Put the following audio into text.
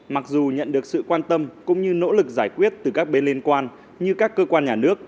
mặc dù nhận được sự quan tâm cũng như nỗ lực giải quyết từ các bên liên quan như các cơ quan nhà nước